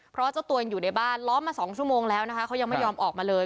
เพราะเจ้าตัวยังอยู่ในบ้านล้อมมา๒ชั่วโมงแล้วนะคะเขายังไม่ยอมออกมาเลย